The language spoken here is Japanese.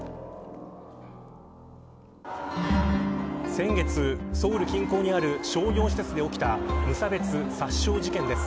先月ソウル近郊にある商業施設で起きた無差別殺傷事件です。